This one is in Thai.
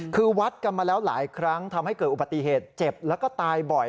คือวัดกันมาแล้วหลายครั้งทำให้เกิดอุบัติเหตุเจ็บแล้วก็ตายบ่อย